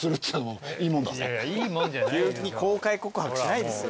急に公開告白しないですよ。